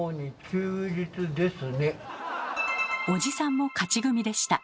おじさんも勝ち組でした。